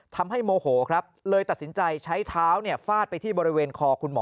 โมโหครับเลยตัดสินใจใช้เท้าฟาดไปที่บริเวณคอคุณหมอ